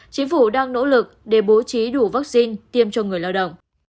chính phủ đang nỗ lực để bố trí đủ vaccine tiêm cho người lao động